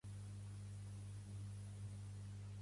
Pertany al moviment independentista l'Alfons?